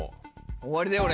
終わりだよ俺。